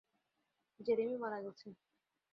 Jeremy মারা গেছে!